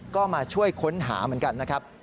ก็มาช่วยค้นหาเหมือนกันนะครับ